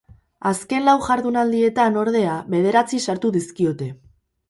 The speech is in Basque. Azken lau jardunaldietan, ordea, bederatzi sartu dizkiote.